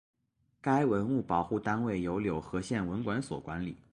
该文物保护单位由柳河县文管所管理。